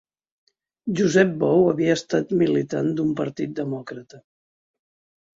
Josep Bou havia estat militant d'un partit demòcrata